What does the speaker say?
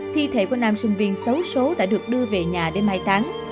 thi thể của nam sinh viên xấu xố đã được đưa về nhà để mai tán